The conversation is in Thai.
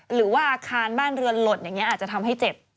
หรือว่าอาคารบ้านเรือนหล่นอย่างนี้อาจจะทำให้เจ็บ